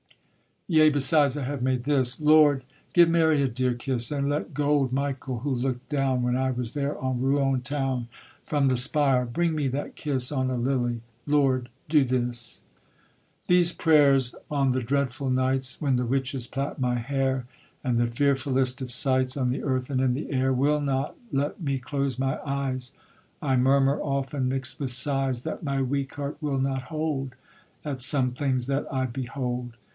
_ Yea, besides, I have made this: _Lord, give Mary a dear kiss, And let gold Michael, who looked down, When I was there, on Rouen town From the spire, bring me that kiss On a lily! Lord do this!_ These prayers on the dreadful nights, When the witches plait my hair, And the fearfullest of sights On the earth and in the air, Will not let me close my eyes, I murmur often, mix'd with sighs, That my weak heart will not hold At some things that I behold.